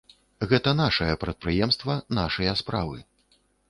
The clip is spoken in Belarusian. Гэта нашае прадпрыемства, нашыя справы.